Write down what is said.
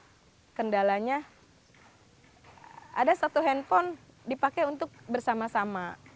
yang namanya di kampung kendalanya ada satu handphone dipakai untuk bersama sama